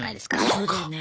そうだよね。